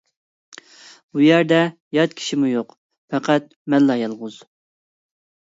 بۇ يەردە يات كىشىمۇ يوق، پەقەت مەنلا يالغۇز.